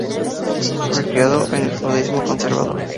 Fue criado en el judaísmo conservador.